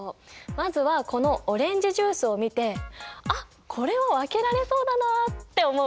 まずはこのオレンジジュースを見てあっこれは分けられそうだなあって思うものはない？